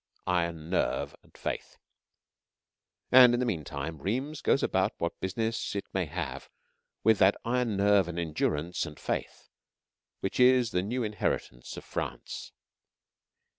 IRON NERVE AND FAITH And, in the meantime, Rheims goes about what business it may have with that iron nerve and endurance and faith which is the new inheritance of France.